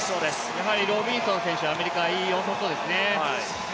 やはりロビンソン選手、アメリカが良さそうですね。